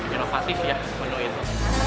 inovatif ya menu itu